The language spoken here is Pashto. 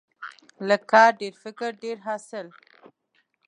لږ کار، ډیر فکر، ډیر حاصل.